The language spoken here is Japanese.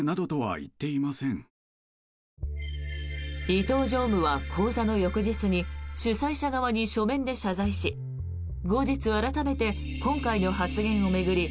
伊東常務は講座の翌日に主催者側に書面で謝罪し後日、改めて今回の発言を巡り